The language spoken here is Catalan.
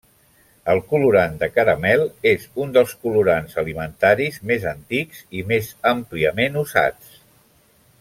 El colorant de caramel és un dels colorants alimentaris més antics i més àmpliament usats.